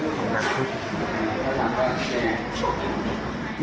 อ๋อขอแปลกได้ปาร์ด